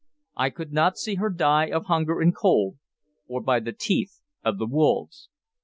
I could not see her die of hunger and cold, or by the teeth of the wolves.